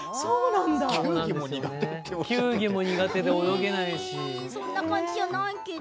球技も苦手で泳げなくて。